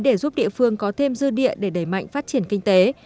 để giúp địa phương có thêm dư địa để đẩy mạnh phát triển kinh tế